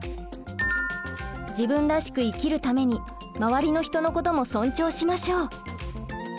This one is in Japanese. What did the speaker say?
自分らしく生きるために周りの人のことも尊重しましょう。